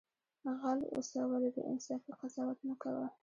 غل اوسه ولی بی انصافی قضاوت مکوه